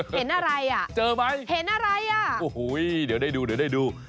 เห็นอะไรอ่ะเจอไหมเห็นอะไรอ่ะโอ้โหเดี๋ยวได้ดูเดี๋ยวได้ดู